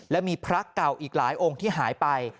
และมีพระเก่าอีกหลายองค์ที่หายไป